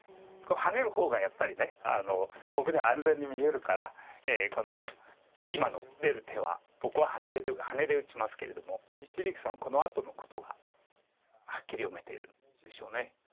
ハネる方がやっぱり僕には安全に見えるから今の出る手は僕はハネで打ちますけれども一力さんはこのあとのことがはっきり読めてるんでしょう。